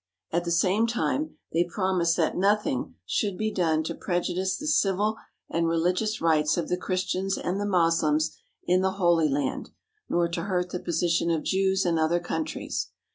At the same time they promised that nothing should be done to prejudice the civil and religious rights of the Christians and the Moslems in the Holy Land, nor to hurt the position of Jews in other countries.